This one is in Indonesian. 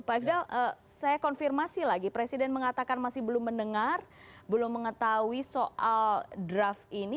pak ifdal saya konfirmasi lagi presiden mengatakan masih belum mendengar belum mengetahui soal draft ini